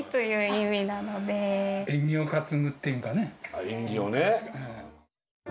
あっ縁起をね。